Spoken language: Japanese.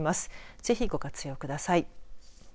ぜひご活用ください。